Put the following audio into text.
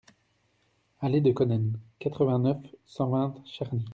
Allée de Konen, quatre-vingt-neuf, cent vingt Charny